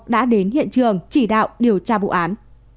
đã đến hiện trường chỉ đạo điều tra vụ án